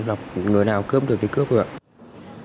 dọc người nào cướp được thì cướp được ạ